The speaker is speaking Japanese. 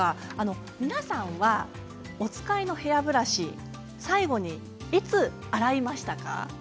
皆さんはお使いのヘアブラシ最後にいつ洗いましたか？